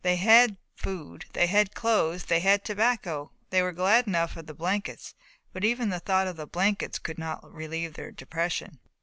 They had food, they had clothes, they had tobacco. They were glad enough of the blankets, but even the thought of the blankets could not relieve their depression.